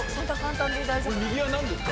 これ右は何ですか？